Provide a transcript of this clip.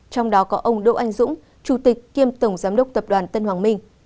trong đó có ông đỗ anh dũng chủ tịch kiêm tổng giám đốc tập đoàn tân hoàng minh